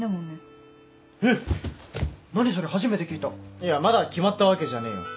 いやまだ決まったわけじゃねえよ。